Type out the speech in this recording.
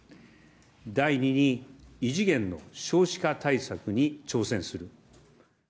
第２に、異次元の少子化対策に挑戦する。